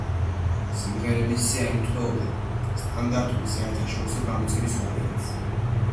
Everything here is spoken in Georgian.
სიმღერების სია ემთხვეოდა სტანდარტული საერთაშორისო გამოცემის ვარიანტს.